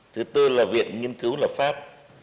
thứ tư là viện nghiên cứu lập pháp